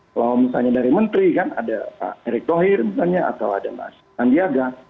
kalau misalnya dari menteri kan ada pak erick thohir misalnya atau ada mas sandiaga